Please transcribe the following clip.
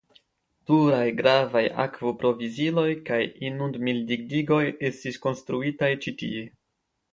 Pluraj gravaj akvoproviziloj kaj inundmildigdigoj estis konstruitaj ĉi tie.